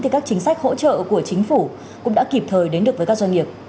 các chính sách hỗ trợ của chính phủ cũng đã kịp thời đến được với các doanh nghiệp